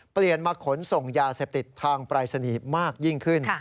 เปลี่ยนมาขนส่งยาเสพติดทางปรายศนีย์มากยิ่งขึ้น